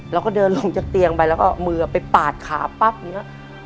เราก็เดินลงจากเตียงไปแล้วก็มือไปปาดขาปั๊บอย่างนี้